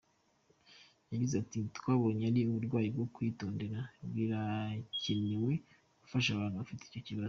Yagize ati “Twabonye ari uburwayi bwo kwitondera, birakenewe gufasha abantu bafite icyo kibazo.